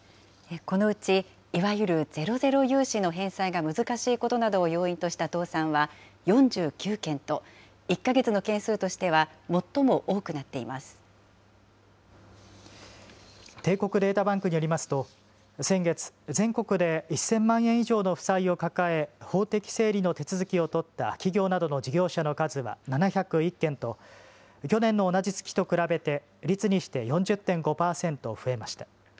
このうちいわゆるゼロゼロ融資の返済が難しいことなどを要因とした倒産は４９件と、１か月の件数としては最も多くなっていま帝国データバンクによりますと、先月、全国で１０００万円以上の負債を抱え、法的整理の手続きを取った企業などの事業者の数は７０１件と、去年の同じ月と比べて、率にして４０．５％増えました。